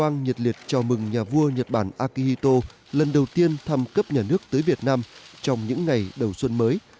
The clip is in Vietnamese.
nhà vua nhật bản akihito lần đầu tiên thăm cấp nhà nước tới việt nam trong những ngày đầu xuân mới